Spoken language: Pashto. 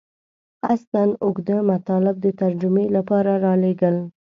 قصداً اوږده مطالب د ترجمې لپاره رالېږل.